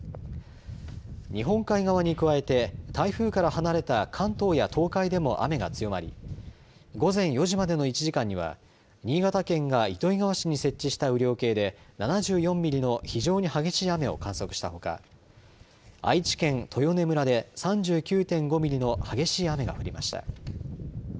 日本海側に加えて台風から離れた関東や東海でも雨が強まり午前４時までの１時間には新潟県が糸魚川市に設置した雨量計で７４ミリの非常に激しい雨を観測したほか愛知県豊根村で３９．５ミリの激しい雨が降りました。